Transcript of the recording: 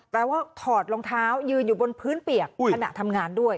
ว่าถอดรองเท้ายืนอยู่บนพื้นเปียกขณะทำงานด้วย